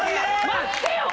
待ってよ！